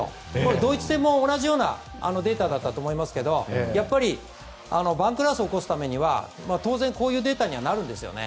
ドイツ戦も同じようなデータだったと思いますがやっぱり番狂わせを起こすには当然、こういうデータにはなるんですよね。